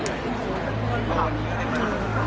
วันนี้ก็ได้มา